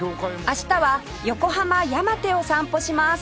明日は横浜山手を散歩します